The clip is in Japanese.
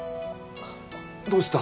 どうした？